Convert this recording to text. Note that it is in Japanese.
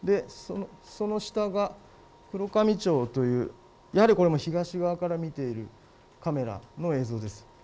その下が、黒神町という、やはり東側から見ているカメラの映像です。